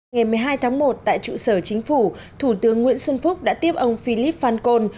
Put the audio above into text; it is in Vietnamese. ngày một mươi hai tháng một tại trụ sở chính phủ thủ tướng nguyễn xuân phúc đã tiếp ông philip fan